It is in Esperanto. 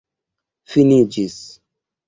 finiĝis